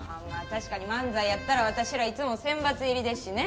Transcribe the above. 確かに漫才やったら私らいつも選抜入りですしね。